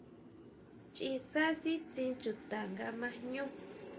ʼChiʼisá sítsín chuta nga ma jñú.